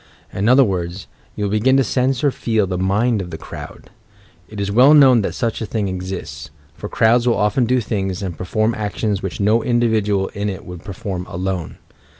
In other words, you will begin to sense or feel the "mind of the crowd." It is well known that such a thing exists, — for crowds will often do things and perform actions which no individual in it would perform alone.